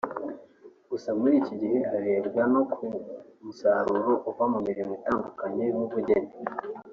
Gusa muri iki gihe harebwa no ku musaruro uva mu mirimo itandukanye nk’ubugeni